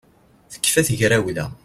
Tekfa tegrawla